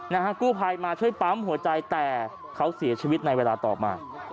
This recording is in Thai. นะฮะกู้ภัยมาช่วยปั๊มหัวใจแต่เขาเสียชีวิตในเวลาต่อมา